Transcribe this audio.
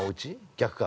逆か。